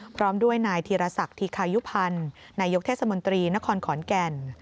พร้อมด้วยนายธีรศักดิ์ธิคายุพันธ์นายกเทศมนตรีนครขอนแก่น